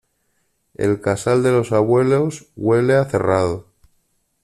El casal de los abuelos huele a cerrado.